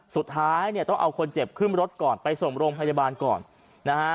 สุดท้ายต้องเอาคนเจ็บขึ้นรถก่อนไปสมรงพยาบาลก่อน